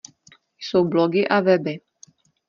Jsou blogy a weby.